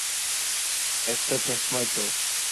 একটা চশমাই তো।